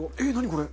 これ。